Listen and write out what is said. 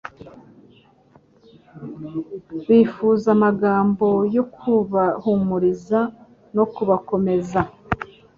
Bifuza amagambo yo kubahumuriza no kubakomeza.